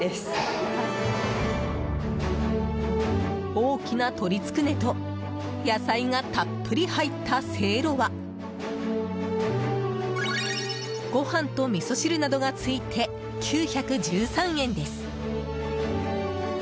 大きな鶏つくねと野菜がたっぷり入ったせいろはご飯とみそ汁などがついて９１３円です。